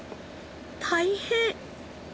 大変！